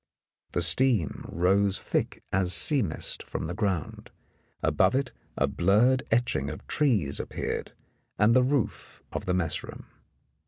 The steam rose thick as sea mist from the ground; above it a blurred etching of trees appeared and the roof of the mess room.